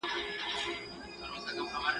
د قاضي مخ ته ولاړ وو لاس تړلى.